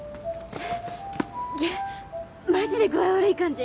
げっマジで具合悪い感じ？